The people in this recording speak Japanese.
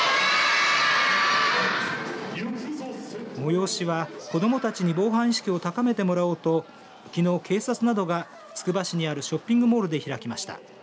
催しは子どもたちに防犯意識を高めてもらおうときのう警察などがつくば市にあるショッピングモールで開きました。